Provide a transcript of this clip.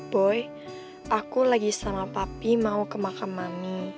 boy aku lagi sama papi mau ke makam mami